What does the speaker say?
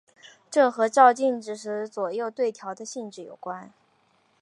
这和照镜子时左右对调的性质有关。